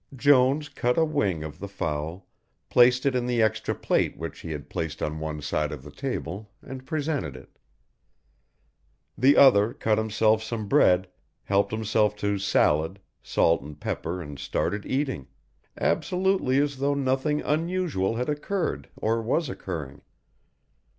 Jones cut a wing of the fowl, placed it in the extra plate which he had placed on one side of the table and presented it. The other cut himself some bread, helped himself to salad, salt and pepper and started eating, absolutely as though nothing unusual had occurred or was occurring.